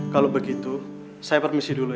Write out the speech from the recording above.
kalau begitu saya permisi dulu